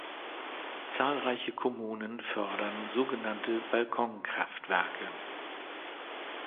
Zahlreiche Kommunen fördern sogenannte Balkonkraftwerke.